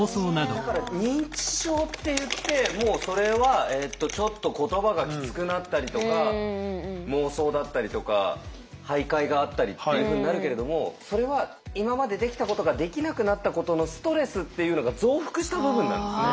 だから認知症っていってもうそれはちょっと言葉がきつくなったりとか妄想だったりとか徘徊があったりっていうふうになるけれどもそれは今までできたことができなくなったことのストレスっていうのが増幅した部分なんですね。